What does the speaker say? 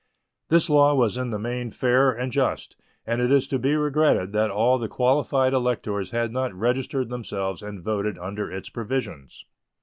This law was in the main fair and just, and it is to be regretted that all the qualified electors had not registered themselves and voted under its provisions.